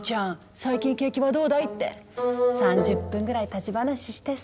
最近景気はどうだい？」って３０分ぐらい立ち話してさ。